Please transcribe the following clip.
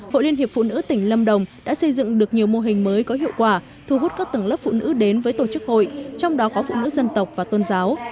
hội liên hiệp phụ nữ tỉnh lâm đồng đã xây dựng được nhiều mô hình mới có hiệu quả thu hút các tầng lớp phụ nữ đến với tổ chức hội trong đó có phụ nữ dân tộc và tôn giáo